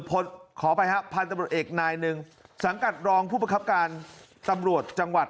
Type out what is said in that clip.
พลตำรวจเอกนายนึงสังกัดรองผู้ประคับการตำรวจจังหวัด